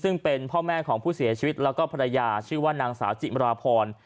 ซึ่งเป็นพ่อแม่ของผู้เสียชีวิตแล้วก็ภรรยาชื่อว่านางสาวจิมราพร